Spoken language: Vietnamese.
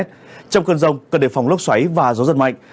trong cơn rông cần đề phòng lốc xoáy và gió giật mạnh